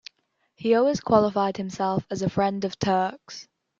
He always qualified himself as a friend of Turks.